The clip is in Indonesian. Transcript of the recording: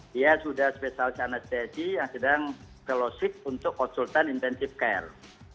dia sudah spesialis anestesi yang sedang kelosif untuk konsultan intensive care